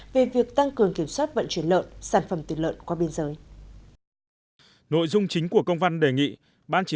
về việc tăng cường kiểm soát vận chuyển lợn sản phẩm tiền lợn qua biên giới